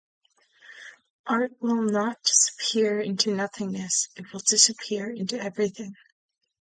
Art will not disappear into nothingness; it will disappear into everything.